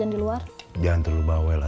ndung empat h acaba dulu